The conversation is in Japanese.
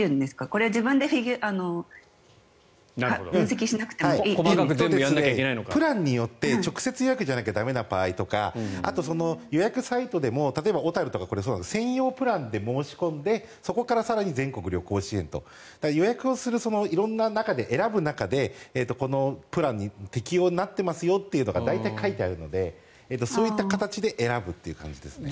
これ、自分でやらなくてはいけないんですか。プランによって直接予約じゃないといけない場合とかあとは予約サイトでも例えば小樽とかそうなんですが専用プランで申し込んでそこから更に全国旅行支援と。予約をする色んな中でこのプランに適用になってますよというのが大体書いてあるのでそういった形で選ぶという感じですね。